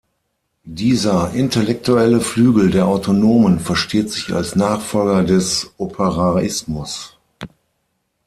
Dieser intellektuelle Flügel der Autonomen versteht sich als Nachfolger des Operaismus.